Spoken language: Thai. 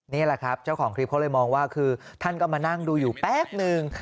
นี่แหละครับเจ้าของคลิปเขาเลยมองว่าคือท่านก็มานั่งดูอยู่แป๊บนึง